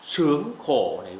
sướng khổ này